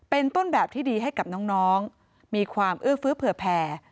เป็นต้นแบบที่ดีให้กับน้องมีความเอื้อฟื้อเผื่อแผ่